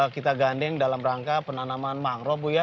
kita gandeng dalam rangka penanaman mangrove bu ya